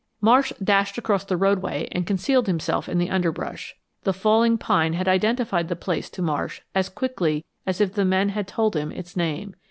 Marsh dashed across the roadway and concealed himself in the underbrush. The falling pine had identified the place to Marsh as quickly as if the men had told him its name.